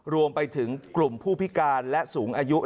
รวมไปถึงกลุ่มผู้พิการและสูงอายุ